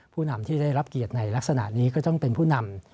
ผู้นำที่ได้รับเกียรติในลักษณะนี้ก็ต้องเป็นผู้นำ